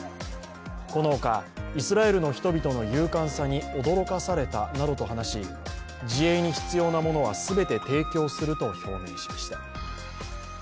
このほか、イスラエルの人々の勇敢さに驚かされたと話し、自衛に必要なものは全て提供すると表明しました。